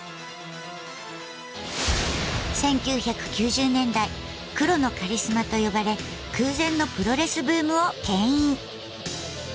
１９９０年代「黒のカリスマ」と呼ばれ空前のプロレスブームをけん引。